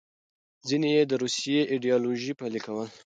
ځینې یې د روسي ایډیالوژي پلې کول.